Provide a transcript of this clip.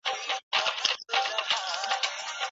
که پوهه د عمل برخه نسي نو بې ګټي ده.